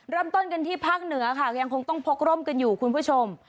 เริ่มต้นกันที่ภาคเหนือค่ะยังคงต้องพกร่มกันอยู่คุณผู้ชม